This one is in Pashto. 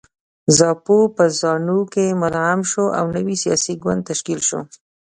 زاپو په زانو کې مدغم شو او نوی سیاسي ګوند تشکیل شو.